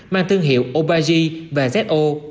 mang thương hiệu obagi và zo